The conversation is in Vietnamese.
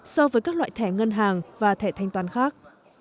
so với các loại thẻ ngân hàng và thẻ thanh toán khác